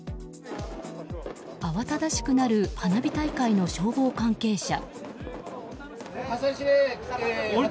慌ただしくなる花火大会の消防関係者。